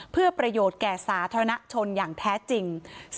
เพื่อประโยชน์แก่สาธารณชนอย่างแท้จริง